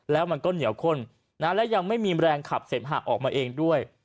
แล้วมันก็เหนียวข้นและยังไม่มีแรงขับเสมหะออกมาเองด้วย